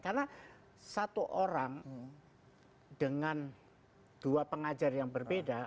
karena satu orang dengan dua pengajar yang berbeda